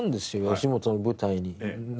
吉本の舞台に。